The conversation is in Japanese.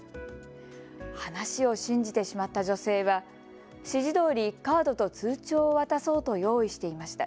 話を信じてしまった女性は指示どおり、カードと通帳を渡そうと用意していました。